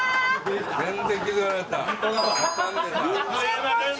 全然気付かなかった。